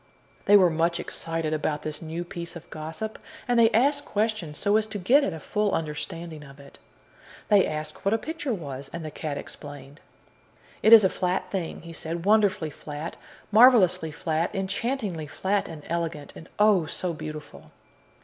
They were much excited about this new piece of gossip, and they asked questions, so as to get at a full understanding of it. They asked what a picture was, and the cat explained. "It is a flat thing," he said; "wonderfully flat, marvelously flat, enchantingly flat and elegant. And, oh, so beautiful!"